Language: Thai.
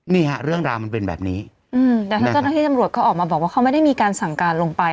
นี่ฮะเรื่องราวมันเป็นแบบนี้แต่ทางเจ้าหน้าที่ตำรวจเขาออกมาบอกว่าเขาไม่ได้มีการสั่งการลงไป